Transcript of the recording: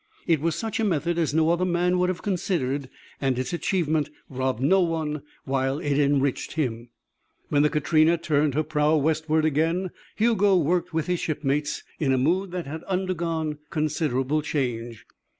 It was such a method as no other man would have considered and its achievement robbed no one while it enriched him. When the Katrina turned her prow westward again, Hugo worked with his shipmates in a mood that had undergone considerable change.